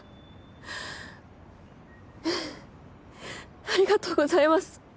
はあありがとうございます。